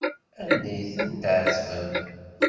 Anda ay ten-tɛettbem?